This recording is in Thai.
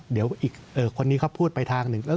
เดี๋ยวอีกคนนี้เขาพูดไปทางหนึ่ง